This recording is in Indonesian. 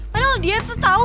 padahal dia tuh tau